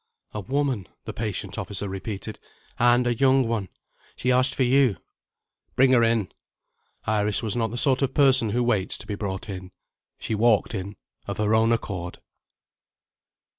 "A woman," the patient officer repeated "and a young one. She asked for You." "Bring her in." Iris was not the sort of person who waits to be brought in. She walked in, of her own accord.